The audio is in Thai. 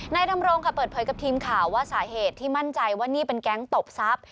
ดำรงค่ะเปิดเผยกับทีมข่าวว่าสาเหตุที่มั่นใจว่านี่เป็นแก๊งตบทรัพย์